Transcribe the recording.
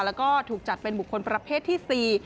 แล้วก็ถูกจัดเป็นบุคคลประเภทที่๔